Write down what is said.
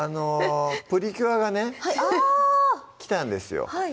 プリキュアがね来たんですよ